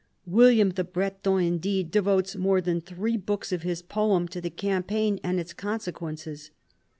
William the Breton indeed devotes more than three books of his poem to the campaign and its consequences.